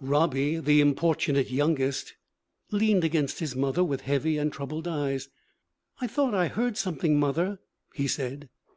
Robbie, the importunate youngest, leaned against his mother with heavy and troubled eyes. 'I thought I heard something, mother,' he said.